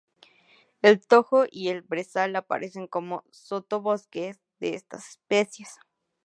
El tojo y el brezal aparecen como sotobosque de estas especies.